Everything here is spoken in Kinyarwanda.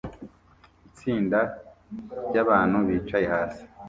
Itsinda ryabantu bicaye hasi